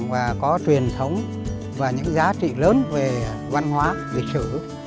và có truyền thống và những giá trị lớn về văn hóa lịch sử